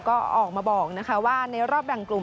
ก็ออกมาบอกว่าในรอบแบ่งกลุ่ม